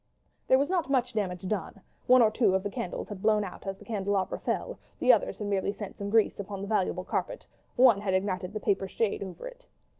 There was not much damage done; one or two of the candles had blown out as the candelabra fell; others had merely sent some grease upon the valuable carpet; one had ignited the paper shade over it.